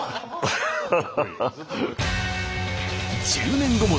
ハハハハ！